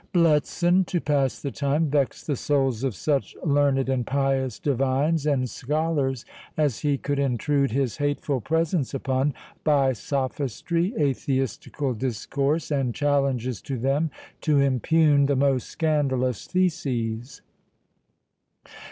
Bletson, to pass the time, vexed the souls of such learned and pious divines and scholars, as he could intrude his hateful presence upon, by sophistry, atheistical discourse, and challenges to them to impugn the most scandalous theses.